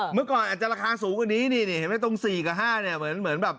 เมื่อก่อนอาจจะราคาสูงกว่านี้นี่เห็นไหมตรง๔กับ๕เนี่ยเหมือนแบบ